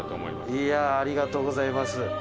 いやあ！ありがとうございます。